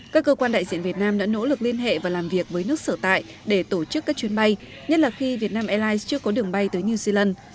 các cơ quan đại diện việt nam đã nỗ lực liên hệ và làm việc với nước sở tại để tổ chức các chuyến bay nhất là khi việt nam airlines chưa có đường bay tới new zealand